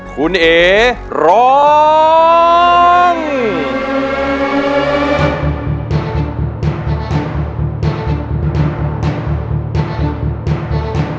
คุณเอ๋ร้อง